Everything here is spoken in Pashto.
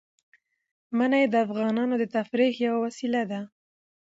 منی د افغانانو د تفریح یوه وسیله ده.